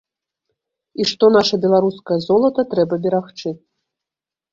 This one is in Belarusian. І што наша беларускае золата трэба берагчы.